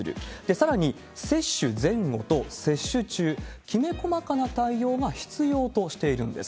さらに、接種前後と接種中、きめ細かな対応が必要としているんです。